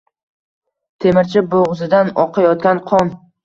Temirchi bo’g’zidan oqayotgan qon…